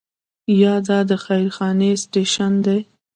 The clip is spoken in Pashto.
یا دا د خير خانې سټیشن دی.